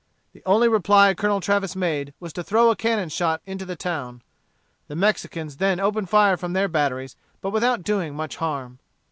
The only reply Colonel Travis made was to throw a cannon shot into the town. The Mexicans then opened fire from their batteries, but without doing much harm.